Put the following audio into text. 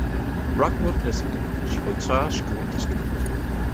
Rockwood is in the Gibraltar School District.